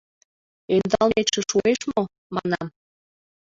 — Ӧндалметше шуэш мо, манам.